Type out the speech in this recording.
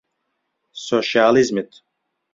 سۆشیالیزمت